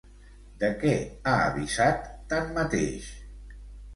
De què ha avisat, tanmateix?